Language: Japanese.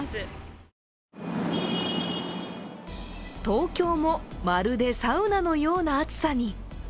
東京も、まるでサウナのような暑さに。